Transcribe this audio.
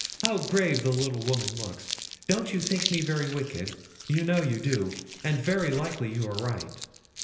how grave the little woman looks! Don't you think me very wicked? You know you do; and very likely you are right.